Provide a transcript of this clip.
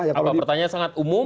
apa pertanyaan sangat umum